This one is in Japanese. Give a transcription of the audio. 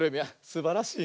すばらしい。